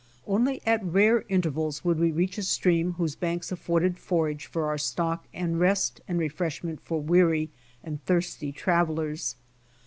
Onlj^ at rare intervals would we reach a stream whose banks afforded forage for our stock and rest and refreshment for weary and thirsty travelers.